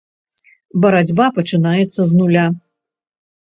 Барацьба пачынаецца з нуля.